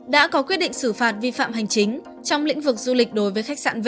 đã có quyết định xử phạt vi phạm hành chính trong lĩnh vực du lịch đối với khách sạn vic